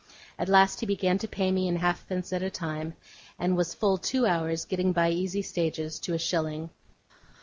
At last he began to pay me in halfpence at a time; and was full two hours getting by easy stages to a shilling.